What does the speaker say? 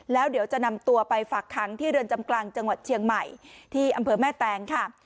แล้วเดี๋ยวจะนำตัวไปฝากค้างที่เรือนจำกลางจังหวัดเชียงใหม่ที่อำเภอแม่แตงค่ะ